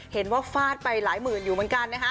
เห็นว่าฟาดไปร้ายหมื่นอยู่เหมือนกันนะฮะ